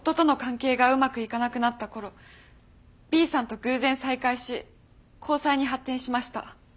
Ｂさんと偶然再会し交際に発展しました。